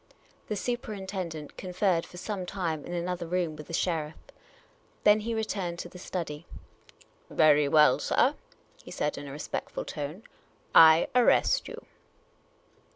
The superinten dent conferred for some time in an other room with the sheriff. Then he returned to the study. "Very well, sir," he said, in a respect ful tone, '' I arrest you."